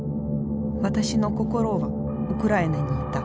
私の心はウクライナにいた。